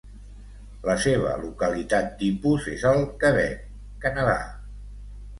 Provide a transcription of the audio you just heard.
La seva localitat tipus és al Quebec, Canadà.